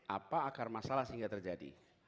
apa akar masalah sehingga terjadi